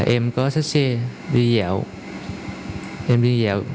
em có xách xe đi dạo